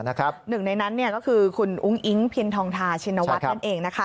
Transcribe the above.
หนึ่งในนั้นก็คือคุณอุ้งอิ๊งพินทองทาชินวัฒน์นั่นเอง